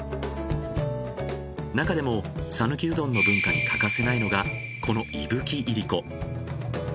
なかでも讃岐うどんの文化に欠かせないのがこの伊吹いりこ。